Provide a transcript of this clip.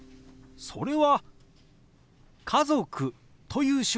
それは「家族」という手話ですよ。